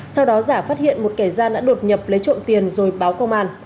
sau đó giả phát hiện một kẻ gian đã đột nhập lấy trộm tiền rồi báo công an